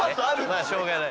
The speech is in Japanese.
まあしょうがない。